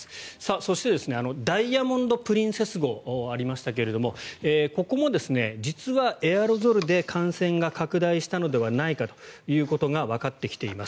そして、「ダイヤモンド・プリンセス号」ありましたけどもここも実はエアロゾルで感染が拡大したのではないかということがわかってきています。